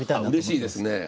うれしいですね。